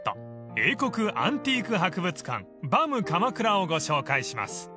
「英国アンティーク博物館ＢＡＭ鎌倉」をご紹介します］